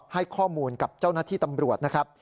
ให้ข้อมูลกับเจ้าหน้าที่ตำรวจนะครับ